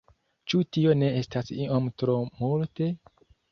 Ĉu tio ne estas iom tro multe?